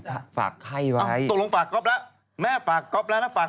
ตกลงฝากก๊อปแล้วแม่ฝากก๊อปแล้วนะฝากความเข้าใจกับก๊อป